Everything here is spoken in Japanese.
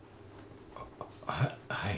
あっはい。